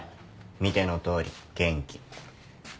見てのとおり元気。